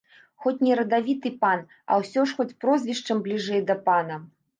Хоць не радавіты пан, а ўсё ж хоць прозвішчам бліжэй да пана.